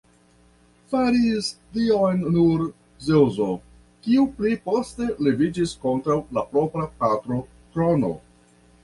Faris tion nur Zeŭso, kiu pli poste leviĝis kontraŭ la propra patro Krono.